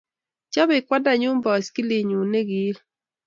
Chopei kwandanyu boskilinyu ne kiil